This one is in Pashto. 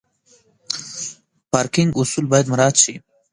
پارکینګ اصول باید مراعت شي.